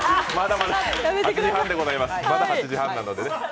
まだ８時半なのでね。